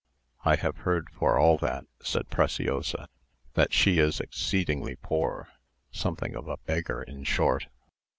"I have heard for all that," said Preciosa, "that she is exceedingly poor; something of a beggar in short."